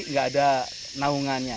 nggak ada naungannya